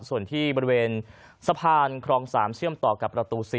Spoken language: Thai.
ส่วนที่บริเวณสะพานครอง๓เชื่อมต่อกับประตู๔